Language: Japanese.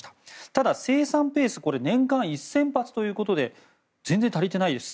ただ、生産ペース、これ年間１０００発ということで全然足りていないです。